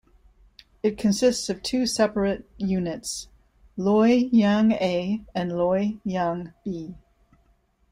It consists of two separate units, Loy Yang A and Loy Yang B.